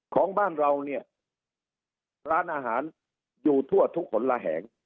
ของบ้านเราเนี่ยร้านอาหารอยู่ทั่วทุกขนระแหง